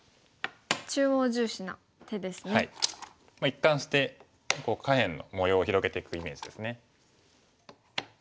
一貫して下辺の模様を広げていくイメージですね。